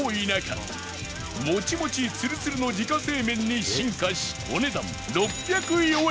モチモチツルツルの自家製麺に進化しお値段６０４円